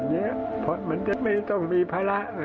เพราะมันจะไม่ต้องมีภาระ